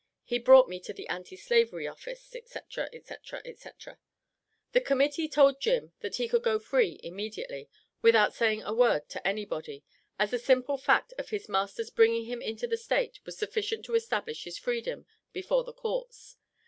He brought me to the anti slavery office," etc., etc., etc. The Committee told Jim that he could go free immediately, without saying a word to anybody, as the simple fact of his master's bringing him into the State was sufficient to establish his freedom before the Courts.